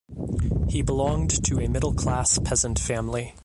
He belonged to a middle class peasant family.